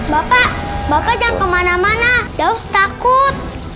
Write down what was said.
bapak bapak jangan kemana mana jauh takut